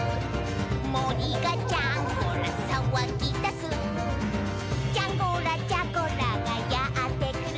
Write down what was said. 「もりがジャンゴラさわぎだす」「ジャンゴラ・ジャゴラがやってくる」